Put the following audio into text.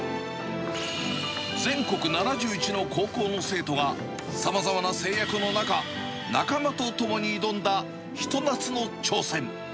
全国７１の高校の生徒が、さまざまな制約の中、仲間と共に挑んだ、ひと夏の挑戦。